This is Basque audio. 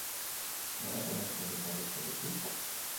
Nolako aldaketak ekarriko ditu?